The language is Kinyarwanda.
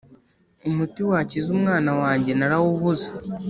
umuti wakiza umwana wanjye narawubuze